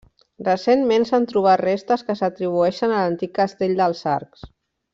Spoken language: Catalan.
Recentment s'han trobat restes que s'atribueixen a l'antic Castell dels Arcs.